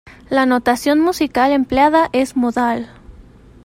La notación musical empleada es modal.